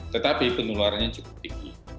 tetapi penularannya cukup tinggi